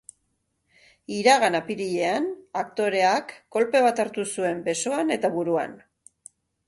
Iragan apirilean, aktoreak kolpe bat hartu zuen besoan eta buruan.